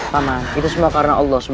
paman itu semua karena allah swt